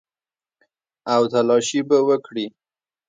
او تلاشي به وکړي.